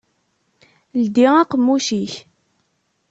Ldi aqemmuc-ik!